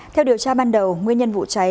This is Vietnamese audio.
theo điều tra ban đầu nguyên nhân vụ cháy